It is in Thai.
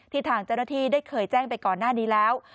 ทางเจ้าหน้าที่ได้เคยแจ้งไปก่อนหน้านี้แล้ว